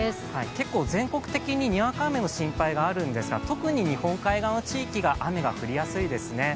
結構全国的ににわか雨の心配があるんですが、特に日本海側の地域が雨が降りやすいですね。